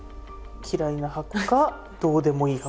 嫌いな箱かどうでもいい箱。